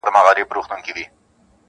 • ظاهر سپین وي په باطن توره بلا وي -